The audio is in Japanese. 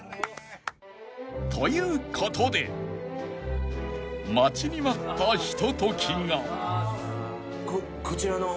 ［ということで待ちに待ったひとときが］